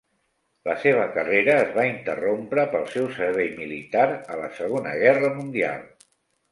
La seva carrera es va interrompre pel seu servei militar a la Segona guerra mundial.